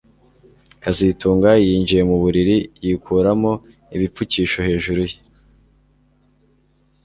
kazitunga yinjiye mu buriri yikuramo ibipfukisho hejuru ye